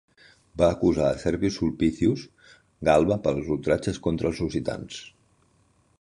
Va acusar a Servius Sulpicius Galba pels ultratges contra els lusitans.